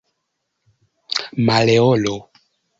Maleolo